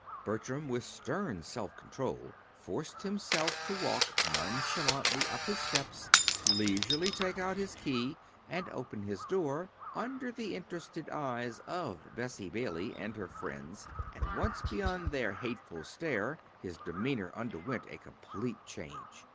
Bertram, with stern self control, forced himself to walk nonchalantly up his steps, leisurely take out his key, and open his door, under the interested eyes of Bessie Bailey and her friends; but once beyond their hateful stare, his demeanor underwent a complete change.